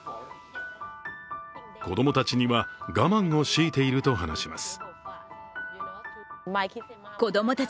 子供たちには我慢を強いていると話します。